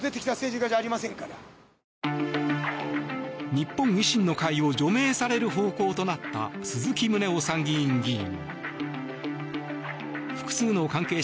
日本維新の会を除名される方向となった鈴木宗男参議院議員。